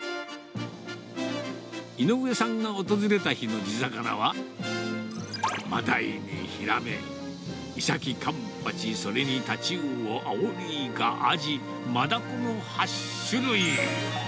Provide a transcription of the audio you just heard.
井上さんが訪れた日の地魚は、マダイにヒラメ、イサキ、カンパチ、それにタチウオ、アオリイカ、アジ、マダコの８種類。